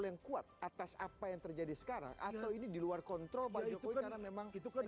yang kuat atas apa yang terjadi sekarang atau ini diluar kontrol banyak karena memang itu kan